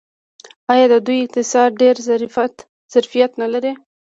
آیا د دوی اقتصاد ډیر ظرفیت نلري؟